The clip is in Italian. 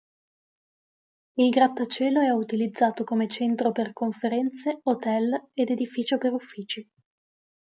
Il grattacielo è utilizzato come centro per conferenze, hotel ed edificio per uffici.